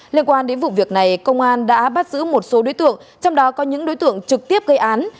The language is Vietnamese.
liên quan đến vụ việc này công an đã bắt giữ một số đối tượng trong đó có những đối tượng trực tiếp gây án